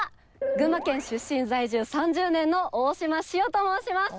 群馬県出身在住３０年の大島紫央と申します。